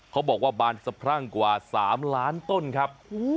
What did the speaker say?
เขาบอกว่าบานสะพรั่งกว่า๓ล้านต้นครับ